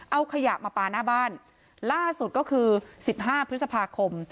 เอาขยะมาปลาหน้าบ้านล่าสุดก็คือสิบห้าพฤษภาคม